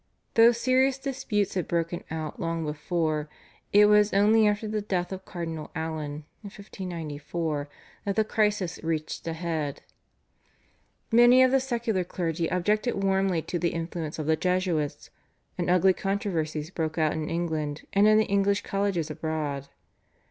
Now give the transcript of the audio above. Though serious disputes had broken out long before, it was only after the death of Cardinal Allen in 1594 that the crisis reached a head. Many of the secular clergy objected warmly to the influence of the Jesuits, and ugly controversies broke out in England and in the English colleges abroad.